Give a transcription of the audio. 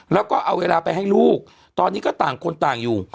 แล้วก็เอาเวลาไปให้ลูกตอนนี้ก็ต่างคนต่างอยู่